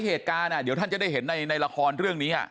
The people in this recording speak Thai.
เหตุการณ์เดี๋ยวท่านจะได้เห็นในละครเรื่องนี้